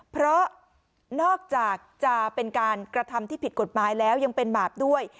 เพราะนอกจากจะเป็นการกระทำที่ผิดกฎหมายแล้วยังเป็นบาปด้วย